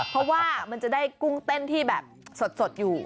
เพราะว่ามันจะได้กุ้งเต้นที่แบบสดอยู่